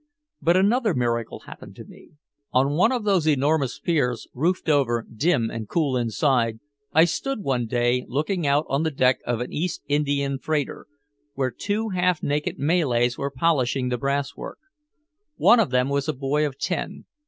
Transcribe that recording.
But another miracle happened to me. On one of those enormous piers, roofed over, dim and cool inside, I stood one day looking out on the deck of an East Indian freighter, where two half naked Malays were polishing the brasswork. One of them was a boy of ten.